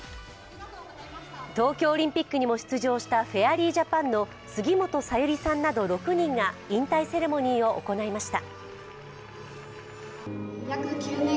東京オリンピックにも出場したフェアリージャパンの杉本早裕吏さんなど６人が引退セレモニーを行いました。